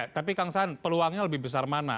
tapi kang saan peluangnya lebih besar mana